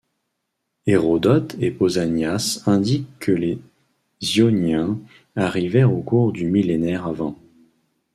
Hérodote et Pausanias indiquent que les Ioniens arrivèrent au cours du millénaire av.